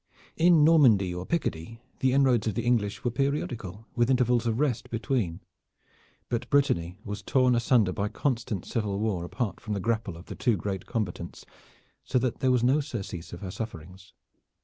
In Normandy or Picardy the inroads of the English were periodical with intervals of rest between; but Brittany was torn asunder by constant civil war apart from the grapple of the two great combatants, so that there was no surcease of her sufferings.